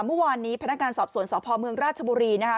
เมื่อวานนี้พนักงานสอบสวนสพเมืองราชบุรีนะคะ